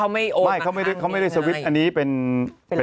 ไม่โหนไอ้นั่นมาให้ฉันน่ะ